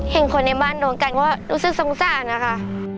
เห็นคนในบ้านโดนกันก็รู้สึกสงสารนะคะ